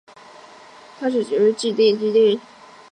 乡人认为他贤德建祠祭祀。